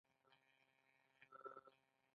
زما مور دې خدای وبښئ